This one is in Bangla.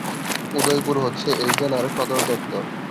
উদয়পুর হচ্ছে এই জেলার সদরদপ্তর।